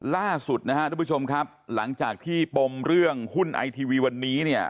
ล่าสุดนะฮะทุกผู้ชมครับหลังจากที่ปมเรื่องหุ้นไอทีวีวันนี้เนี่ย